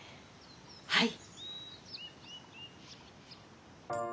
はい。